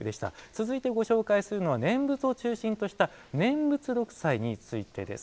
続いてご紹介するのは念仏を中心とした念仏六斎についてです。